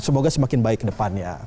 semoga semakin baik ke depannya